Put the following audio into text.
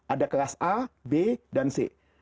ada kelas a b dan c